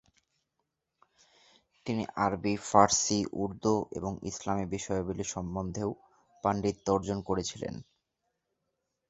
তিনি আরবি, ফার্সি, উর্দু এবং ইসলামী বিষয়াবলী সমন্ধেও পাণ্ডিত্য অর্জন করেছিলেন।